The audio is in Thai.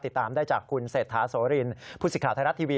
ติดตามได้จากคุณเศษฐาโสรินพุศิฆราชไทยรัฐทีวี